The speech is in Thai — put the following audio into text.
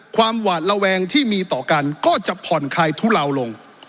หวาดระแวงที่มีต่อกันก็จะผ่อนคลายทุเลาลง